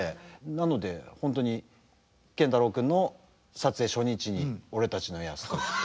なので本当に健太郎君の撮影初日に「俺たちの泰時」っていう。